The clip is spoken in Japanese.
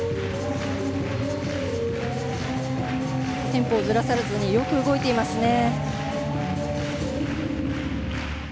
テンポをずらさずによく動いていますね。